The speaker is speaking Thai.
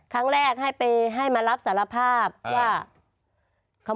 ครั้งแรกให้มารับสารภาพว่า